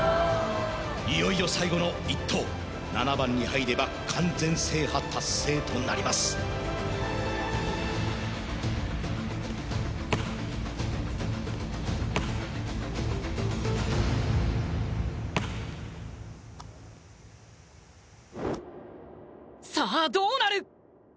いよいよ最後の１投７番に入れば完全制覇達成となりますさあどうなる！？